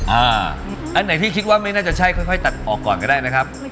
อันไหนที่คิดว่าไม่น่าจะใช่ค่อยตัดออกก่อนก็ได้นะครับ